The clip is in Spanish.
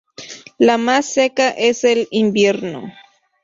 La más seca es el invierno.